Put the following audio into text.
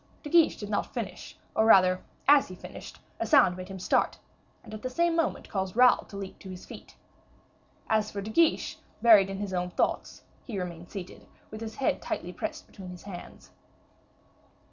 De Guiche did not finish, or rather as he finished, a sound made him start, and at the same moment caused Raoul to leap to his feet. As for De Guiche, buried in his own thoughts, he remained seated, with his head tightly pressed between his hands.